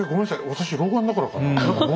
私老眼だからかな。